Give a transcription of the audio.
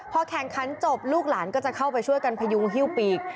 พอแข่งขันจบลูกหลานก็จะเข้าไปช่วยกันพยุงฮิ้วปีก